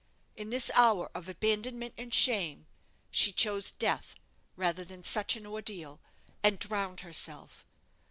In this hour of abandonment and shame, she chose death rather than such an ordeal, and drowned herself."